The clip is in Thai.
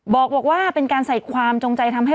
บอกว่าเป็นการใส่ความจงใจทำให้